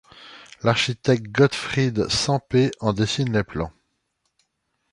L'architecte Gottfried Semper en dessine les plans.